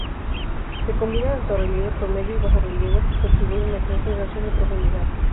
Se combinan altorrelieves con medio y bajorrelieves, que contribuyen a crear sensación de profundidad.